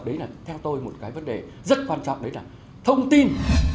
đấy là theo tôi một cái vấn đề rất quan trọng đấy là thông tin